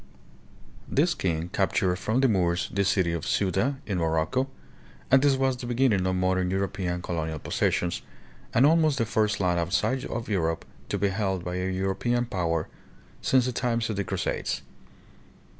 This king captured from the Moors the city of Ceuta, in Morocco; and this was the beginning of modern European colonial possessions, and almost the first land outside of Europe to be held by a European power since the times of the Crusades.